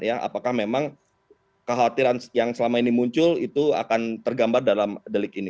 apakah memang kekhawatiran yang selama ini muncul itu akan tergambar dalam delik ini